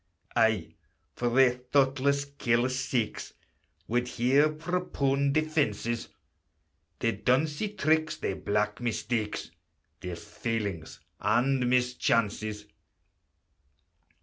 I, for their thoughtless, careless sakes, Would here propone defences, Their donsie tricks, their black mistakes, Their failings and mischances.